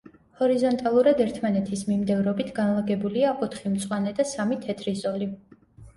ჰორიზონტალურად ერთმანეთის მიმდევრობით განლაგებულია ოთხი მწვანე და სამი თეთრი ზოლი.